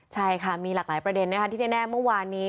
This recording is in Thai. ใช่ค่ะมีหลากหลายประเด็นนะคะที่แน่เมื่อวานนี้